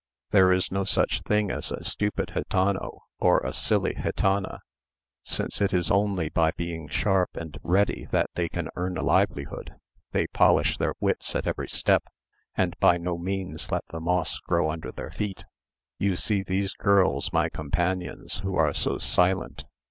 There is no such thing as a stupid gitano, or a silly gitana. Since it is only by being sharp and ready that they can earn a livelihood, they polish their wits at every step, and by no means let the moss grow under their feet. You see these girls, my companions, who are so silent.